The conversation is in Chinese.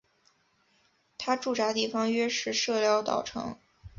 他驻扎地方约是社寮岛城。